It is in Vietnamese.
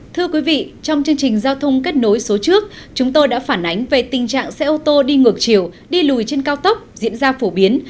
thưa quý vị trong chương trình giao thông kết nối số trước chúng tôi đã phản ánh về tình trạng xe ô tô đi ngược chiều đi lùi trên cao tốc diễn ra phổ biến